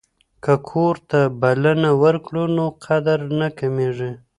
که کور ته بلنه ورکړو نو قدر نه کمیږي.